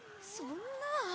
そんな。